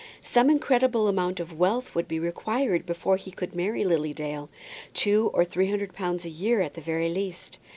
Some incredible amount of wealth would be required before he could marry Lily Dale. Two or three hundred pounds a year at the very least!